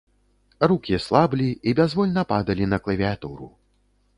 Рукі слаблі і бязвольна падалі на клавіятуру.